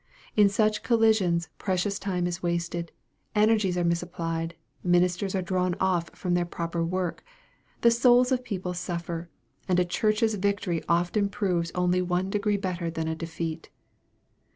In such collisions precious time is wasted energies are misapplied ministers are drawn off from their proper work 'the souls of people suffer, and a church's victory often proves only one degree better than a defeat.